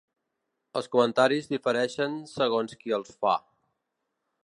Els comentaris difereixen segons qui els fa.